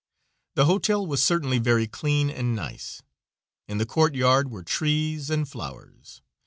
The hotel was certainly very clean and nice. In the courtyard were trees and flowers.